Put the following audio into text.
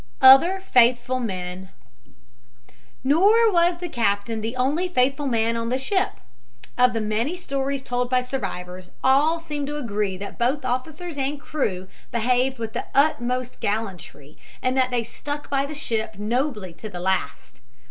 OTHER FAITHFUL MEN Nor was the captain the only faithful man on the ship. Of the many stories told by survivors all seem to agree that both officers and crew behaved with the utmost gallantry and that they stuck by the ship nobly to the last.